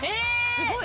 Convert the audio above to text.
すごい。